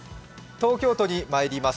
東京都にまいります。